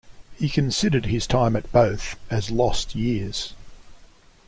He considered his time at both as "lost years".